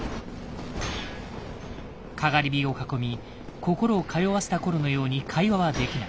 篝火を囲み心を通わせた頃のように会話はできない。